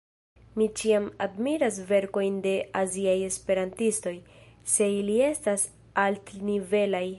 Mi ĉiam admiras verkojn de aziaj esperantistoj, se ili estas altnivelaj.